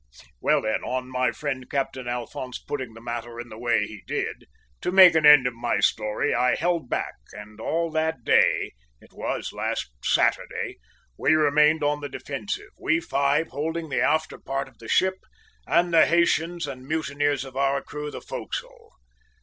Well, then, on my friend Captain Alphonse putting the matter in the way he did, to make an end of my story, I held back, and all that day it was last Saturday we remained on the defensive, we five holding the after part of the ship, and the Haytians and mutineers of our crew the forecastle.